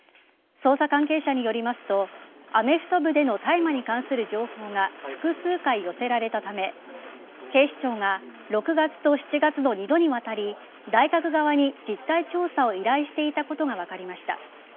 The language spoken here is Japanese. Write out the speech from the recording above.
捜査関係者によりますとアメフト部での大麻に関する情報が複数回寄せられたため警視庁が６月と７月の２度に渡り大学側に実態調査を依頼していたことが分かりました。